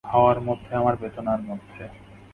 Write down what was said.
হাওয়ার মধ্যে, আমার বেদনার মধ্যে।